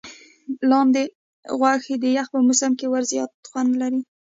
د لاندي غوښي د یخ په موسم کي زیات خوند لري.